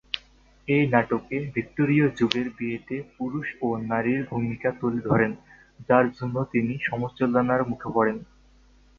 এই নাটকে ভিক্টোরীয় যুগের বিয়েতে পুরুষ ও নারীর ভূমিকা তুলে ধরেন, যার জন্য তিনি সমালোচনার মুখে পড়েন।